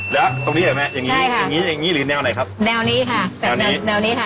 แล้วตรงนี้เห็นไหมอย่างงี้ค่ะอย่างงี้อย่างงี้หรือแนวไหนครับแนวนี้ค่ะแต่แนวแนวนี้ค่ะ